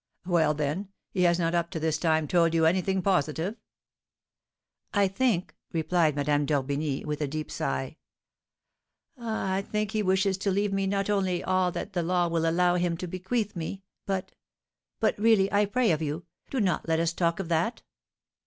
"Well, then, he has not up to this time told you anything positive?" "I think," replied Madame d'Orbigny, with a deep sigh, "I think that he wishes to leave me not only all that the law will allow him to bequeath to me, but But, really, I pray of you, do not let us talk of that."